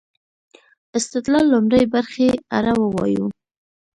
استدلال لومړۍ برخې اړه ووايو.